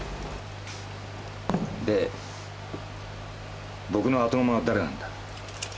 で僕の後釜はだれなんだ？